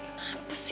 sama aja nyebelinnya